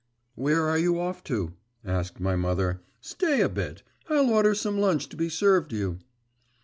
'Where are you off to?' asked my mother. 'Stay a bit; I'll order some lunch to be served you.